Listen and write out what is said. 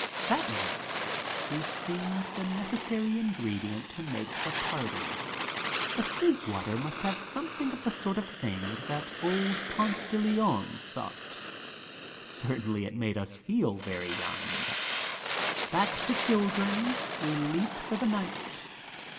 That night he seemed the necessary ingredient to make the party. The fizz water must have something of the sort of thing that old Ponce de Leon sought. Certainly it made us feel very young. Back to children we leaped for the night.